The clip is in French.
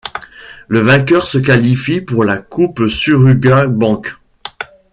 Le vainqueur se qualifie pour la Coupe Suruga Bank.